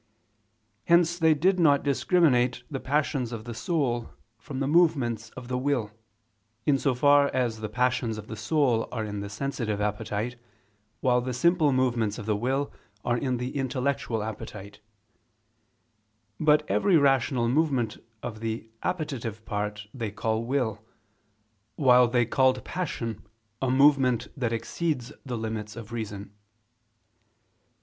Hence they did not discriminate the passions of the soul from the movements of the will, in so far as the passions of the soul are in the sensitive appetite, while the simple movements of the will are in the intellectual appetite: but every rational movement of the appetitive part they call will, while they called passion, a movement that exceeds the limits of reason.